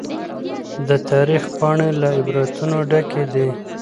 د تاريخ پاڼې له عبرتونو ډکې دي.